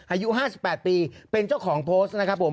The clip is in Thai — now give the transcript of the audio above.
อายุ๕๘ปีเป็นเจ้าของโพสต์นะครับผม